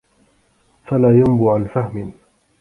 فَلَا يَنْبُو عَنْ فَهْمٍ